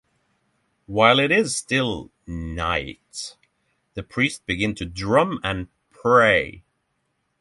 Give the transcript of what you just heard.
While it is still knight, the priest begins to drum and pray.